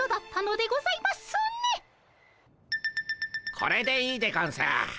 これでいいでゴンス。